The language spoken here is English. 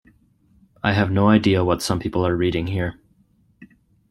I have no idea what some people are reading here.